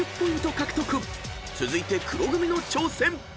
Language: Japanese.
［続いて黒組の挑戦］